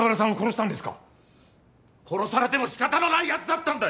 殺されてもしかたのないやつだったんだよ！